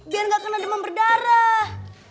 biar gak kena demam berdarah